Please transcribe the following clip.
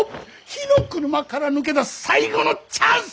火の車から抜け出す最後のチャンス！